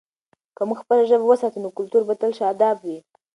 که موږ خپله ژبه وساتو، نو کلتور به تل شاداب وي.